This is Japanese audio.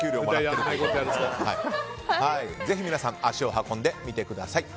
ぜひ皆さん足を運んでみてください。